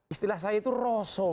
istilah saya itu rosoh